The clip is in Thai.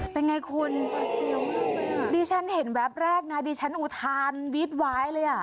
เป็นไงคุณดิฉันเห็นแวบแรกนะดิฉันอุทานวิดวายเลยอ่ะ